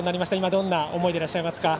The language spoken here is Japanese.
どんな思いでいらっしゃいますか。